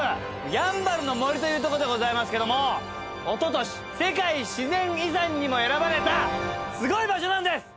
やんばるの森というとこでございますけどもおととし世界自然遺産にも選ばれたすごい場所なんです！